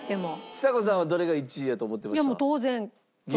ちさ子さんはどれが１位やと思ってました？